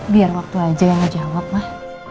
biar waktu aja yang ngejawab mah